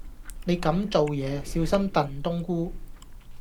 你咁做野，小心燉冬菇